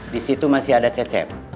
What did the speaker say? di situ masih ada cecep